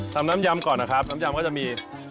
น้ำยำก่อนนะครับน้ำยำก็จะมี